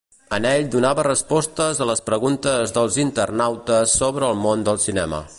En ell donava respostes a les preguntes dels internautes sobre el món del cinema.